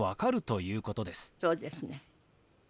そうですね。